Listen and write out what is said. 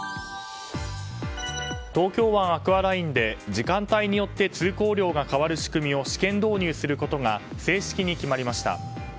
東京湾アクアラインで時間帯によって通行量が変わる仕組みを試験導入することが正式に決まりました。